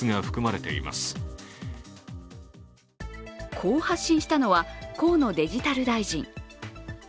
こう発信したのは、河野デジタル大臣。